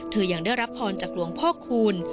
ยังได้รับพรจากหลวงพ่อคูณ